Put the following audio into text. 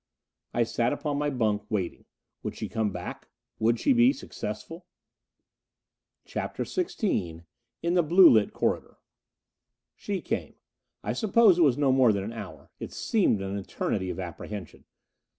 I sat upon my bunk. Waiting. Would she come back? Would she be successful? CHAPTER XVI In the Blue lit Corridor She came. I suppose it was no more than an hour: it seemed an eternity of apprehension.